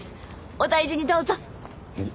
お大事にどうぞ！